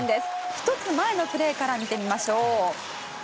１つ前のプレーから見てみましょう。